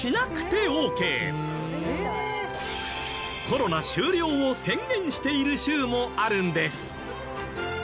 コロナ終了を宣言している州もあるんです。